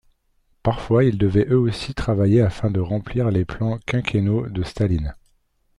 Parfois ils devaient eux aussi travailler afin de remplir les plans quinquennaux de Staline.